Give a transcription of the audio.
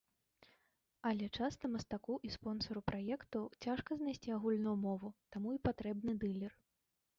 Але часта мастаку і спонсару праекту цяжка знайсці агульную мову, таму і патрэбны дылер.